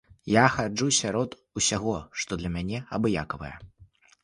Я хаджу сярод усяго, што для мяне абыякавае.